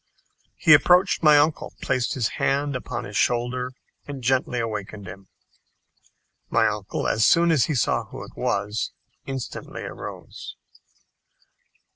He approached my uncle, placed his hand upon his shoulder, and gently awakened him. My uncle, as soon as he saw who it was, instantly arose.